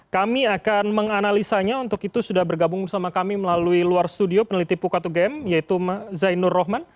kami akan menganalisanya untuk itu sudah bergabung bersama kami melalui luar studio peneliti pukatu gm yaitu zainur rohman